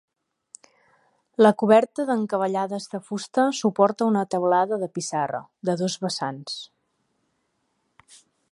La coberta d'encavallades de fusta suporta una teulada de pissarra, de dos vessants.